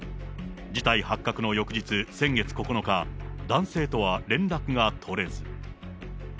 事態発覚の翌日、先月９日、男性とは連絡が取れず。